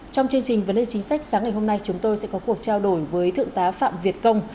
trong chương trình vấn đề chính sách sáng ngày hôm nay chúng tôi sẽ có cuộc trao đổi với thượng tá phạm việt công